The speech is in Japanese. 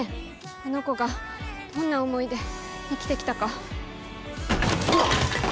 あの子がどんな思いで生きて来たか。